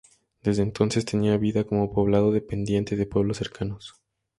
Desde entonces tiene vida como poblado dependiente de pueblos cercanos.